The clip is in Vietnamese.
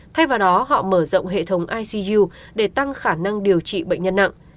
thay vào đó họ mở rộng hệ thống icg để tăng khả năng điều trị bệnh nhân nặng